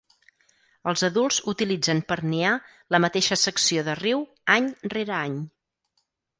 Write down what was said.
Els adults utilitzen per niar la mateixa secció de riu any rere any.